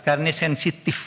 karena ini sensitif